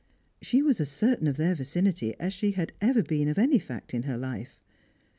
She was as certain of their vicinity as she has ever been of any fact in her life.